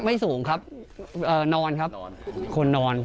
สูงครับนอนครับคนนอน